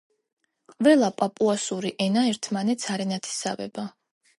ყველა პაპუასური ენა ერთმანეთს არ ენათესავება.